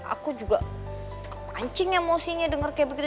aku juga kepancing emosinya dengar kayak begitu